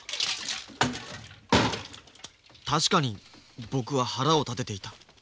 確かに僕は腹を立てていた。